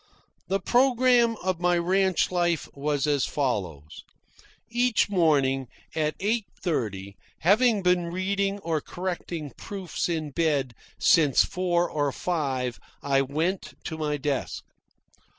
The programme of my ranch life was as follows: Each morning, at eight thirty, having been reading or correcting proofs in bed since four or five, I went to my desk.